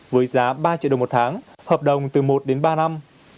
với giá ba triệu đồng một tháng hợp đồng từ một đến ba năm